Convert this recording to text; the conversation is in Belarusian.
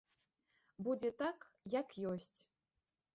Будзе так, як ёсць.